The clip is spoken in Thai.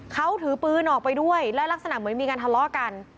เขาถือปืนออกไปด้วยและลักษณะเหมือนมีการทะเลาะกัน